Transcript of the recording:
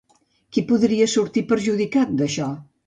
Qui podria sortir perjudicat, d'això?